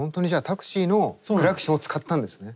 タクシーのクラクションを使ったんですね。